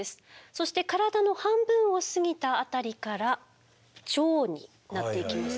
そして体の半分を過ぎたあたりから腸になっていきますね。